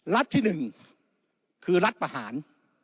รัฐที่๑คือรัฐประหาร